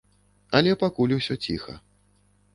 Але пакуль усё ціха.